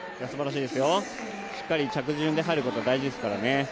しっかり着順で入るの大事ですからね